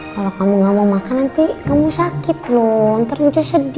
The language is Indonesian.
kalau kamu gak mau makan nanti kamu sakit loh ternyata sedih